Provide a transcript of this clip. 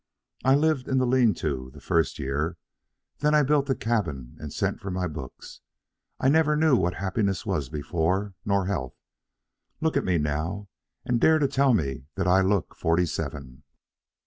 I lived in the lean to the first year; then I built the cabin and sent for my books. I never knew what happiness was before, nor health. Look at me now and dare to tell me that I look forty seven."